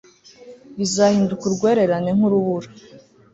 bizahinduka urwererane nk'urubura